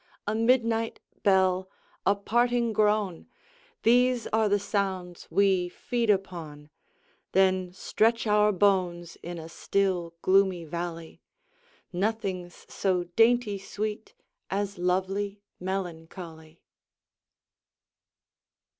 A midnight bell, a parting groan! These are the sounds we feed upon; Then stretch our bones in a still gloomy valley; Nothing's so dainty sweet as lovely melancholy.